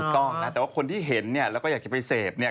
ถูกต้องนะแต่ว่าคนที่เห็นเนี่ยแล้วก็อยากจะไปเสพเนี่ย